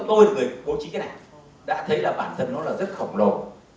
tôi là người bố trí cái này đã thấy là bản thân nó là rất khổng lồ